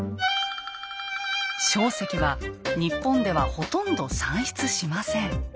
硝石は日本ではほとんど産出しません。